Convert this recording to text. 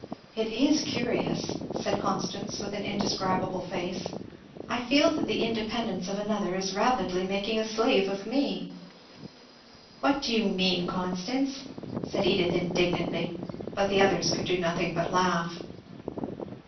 It is curious!" said Constance with an indescribable face, "I feel that the independence of another is rapidly making a slave of me! " "What do you mean, Constance?" said Edith indignantly. But the others could do nothing but laugh.